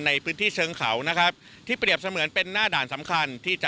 ได้จัดเตรียมความช่วยเหลือประบบพิเศษสี่ชน